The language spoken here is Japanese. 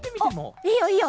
あっいいよいいよ！